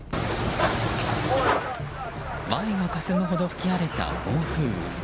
前がかすむほど吹き荒れた暴風雨。